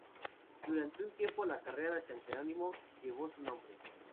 Durante un tiempo, la carrera de san Jerónimo llevó su nombre.